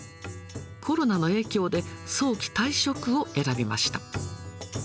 コロナの影響で早期退職を選びました。